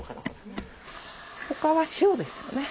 他は塩ですよね。